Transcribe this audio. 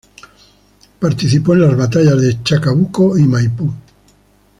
Participó en las batallas de Chacabuco y Maipú.